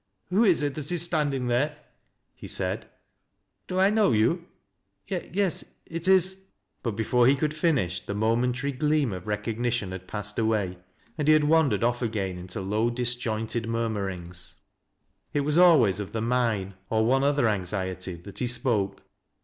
" Who is it that is standing there ?" he said. " Do I Imow you ? Yes — it is " but before he could finish, ihe momentary gleam of recognition had passed away, and he had wandered off again into low, disjointed murmur bgs. It was always of the mine, or one other anxiety, that he spoke.